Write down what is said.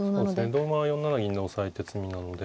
同馬は４七銀で押さえて詰みなので。